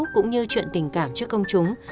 cũng như chuyện tình cảm trước công chúng